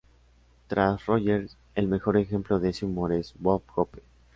Tras Rogers el mejor ejemplo de ese humor es Bob Hope.